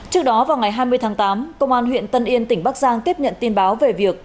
trước đó vào ngày hai mươi tháng tám công an huyện tân yên tỉnh bắc giang tiếp nhận tin báo về việc